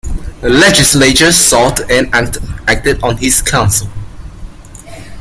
The legislature sought and acted on his counsel.